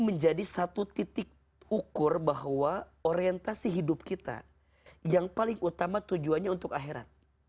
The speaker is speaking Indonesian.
menjadi satu titik ukur bahwa orientasi hidup kita yang paling utama tujuannya untuk akhirat